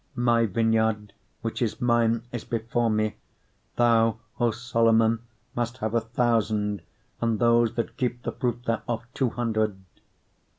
8:12 My vineyard, which is mine, is before me: thou, O Solomon, must have a thousand, and those that keep the fruit thereof two hundred.